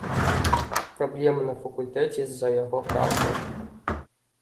Праблемы на факультэце з-за яго праўды.